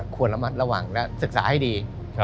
ควรระมัดระวังและศึกษาให้ดี